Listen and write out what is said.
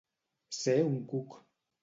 Ser un cuc.